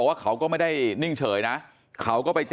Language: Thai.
มันต้องการมาหาเรื่องมันจะมาแทงนะ